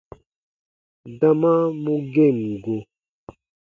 Dama mu gem go.